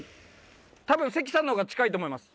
たぶん関さんのほうが近いと思います。